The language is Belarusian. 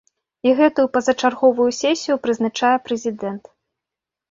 І гэтую пазачарговую сесію прызначае прэзідэнт.